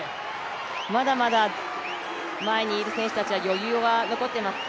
まだまだ前にいる選手たちは余裕が残ってます。